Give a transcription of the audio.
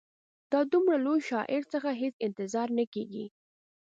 دا د دومره لوی شاعر څخه هېڅ انتظار نه کیږي.